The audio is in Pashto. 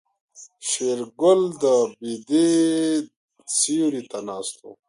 شېرګل د بيدې سيوري ته ناست و.